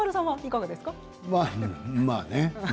まあね